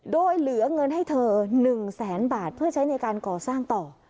โดยเหลือเงินให้เธอ๑แสนบาทเพื่อใช้ในการก่อสร้างต่อ